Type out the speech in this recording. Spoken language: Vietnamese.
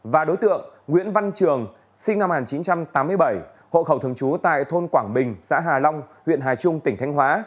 và đối tượng nguyễn văn trường sinh năm một nghìn chín trăm tám mươi bảy hộ khẩu thường trú tại thôn quảng bình xã hà long huyện hà trung tỉnh thanh hóa